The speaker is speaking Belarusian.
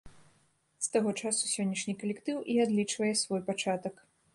З таго часу сённяшні калектыў і адлічвае свой пачатак.